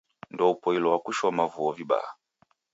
Ndoupoilwa kushoma vuo vibaha